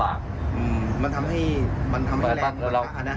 ลำบากทำให้แรงไปล่านะ